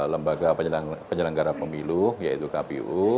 lembaga penyelenggara pemilu yaitu kpu